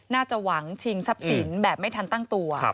น่าจะหวังชิงทรัพย์สินแบบไม่ทันตั้งตัว